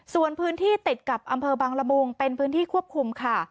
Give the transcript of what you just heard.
ส่วนพื้นที่ติดกับอำเภอบังละมุงเป็นพื้นที่ควบคุมค่ะ